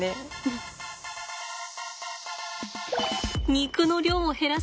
肉の量を減らし